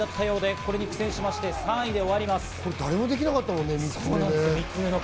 これ、誰もできなかったもんね、３つ目。